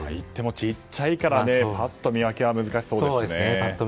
小さいからぱっと見分けは難しそうですね。